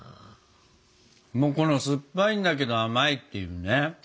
もうこの酸っぱいんだけど甘いっていうね。